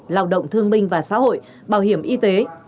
lao động thương minh và xã hội bảo hiểm y tế